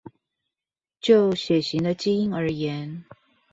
就血型的基因而言